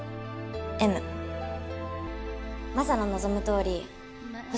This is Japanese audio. Ｍマサの望むとおり星になる。